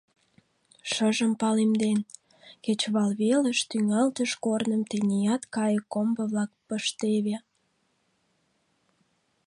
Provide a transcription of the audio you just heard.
Шыжым палемден, кечывалвелыш тӱҥалтыш корным теният кайык комбо-влак пыштеве.